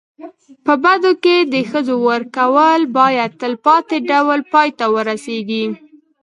په بدو کي د ښځو ورکول باید تلپاتي ډول پای ته ورسېږي.